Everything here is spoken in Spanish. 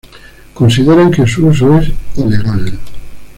Consideran que su uso es "ilegal".